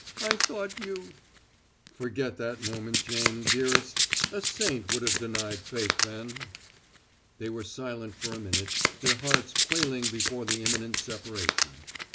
I thought you " "Forget that moment, Jane, dearest. A saint would have denied faith then." They were silent for a minute, their hearts quailing before the imminent separation.